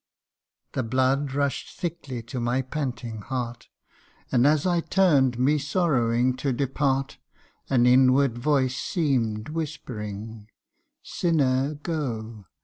The blood rush'd thickly to my panting heart, And as I turn'd me sorrowing to depart, An inward voice seem'd whispering ' Sinner, go